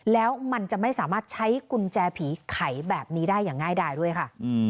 แล้วมันจะไม่สามารถใช้กุญแจผีไขแบบนี้ได้อย่างง่ายดายด้วยค่ะ